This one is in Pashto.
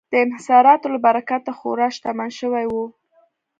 د انحصاراتو له برکته خورا شتمن شوي وو.